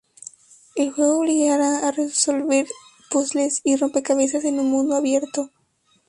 El juego obligará a resolver puzles y rompecabezas en un mundo abierto.